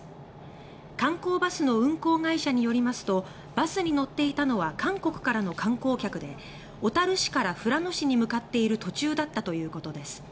観光バスの運行会社によりますとバスに乗っていたのは韓国からの観光客で小樽市から富良野市に向かっている途中だったということです。